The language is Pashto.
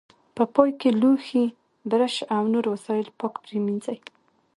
په پای کې لوښي، برش او نور وسایل پاک پرېمنځئ.